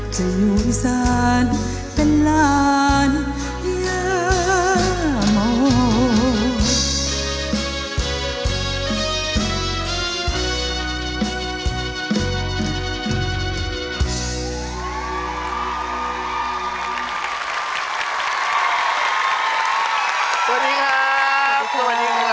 จะอยู่อีสานเป็นหลานอย่าง